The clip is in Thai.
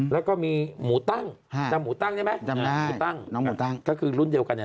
แล้วก็มีหมูตั้งจำหมูตั้งใช่ไหมจำได้